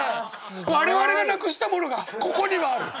我々がなくしたものがここにはある。